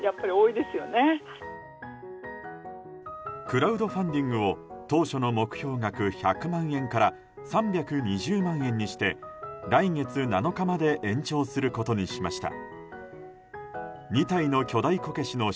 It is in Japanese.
クラウドファンディングを当初の目標額、１００万円から３２０万円にして、来月７日まで延長することにしました。